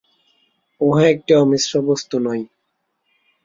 উহা একটি অমিশ্র বস্তু নয়।